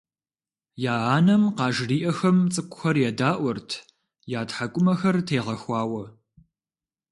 Я анэм къажриӀэхэм цӀыкӀухэр едаӀуэрт я тхьэкӀумэхэр тегъэхуауэ.